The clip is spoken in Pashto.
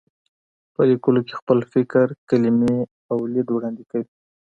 په لیکلو کې خپل فکر، کلمې او لید وړاندې کوي.